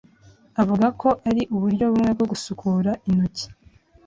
avuga ko ari uburyo bumwe bwo gusukura intoki,